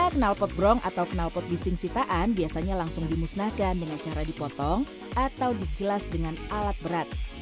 kenalpot brong atau kenalpot bising sitaan biasanya langsung dimusnahkan dengan cara dipotong atau dikilas dengan alat berat